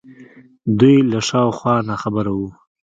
دوی له شا و خوا ناخبره وو